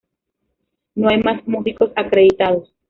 No hay mas músicos acreditados.